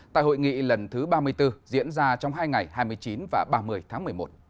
tại hội nghị lần thứ ba mươi bốn diễn ra trong hai ngày hai mươi chín và ba mươi tháng một mươi một